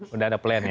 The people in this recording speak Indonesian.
sudah ada plan ya